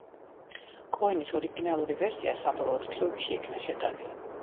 კოენის ორიგინალური ვერსია საბოლოოდ ფილმში იქნა შეტანილი.